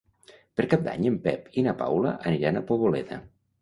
Per Cap d'Any en Pep i na Paula aniran a Poboleda.